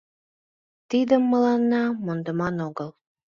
Тидым мыланна мондыман огыл.